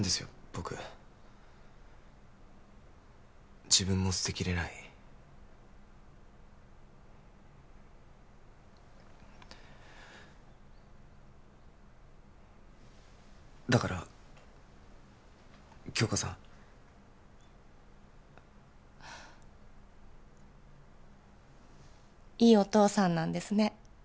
僕自分も捨てきれないだから杏花さんいいお父さんなんですね